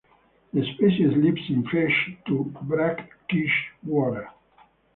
The species lives in fresh to brackish water.